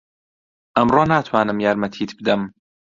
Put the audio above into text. ئەمڕۆ ناتوانم یارمەتیت بدەم.